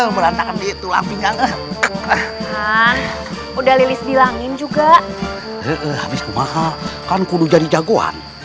maka kan kudu jadi jagoan